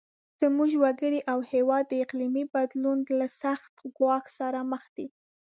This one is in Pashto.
زموږ وګړي او هیواد د اقلیمي بدلون له سخت ګواښ سره مخ دي.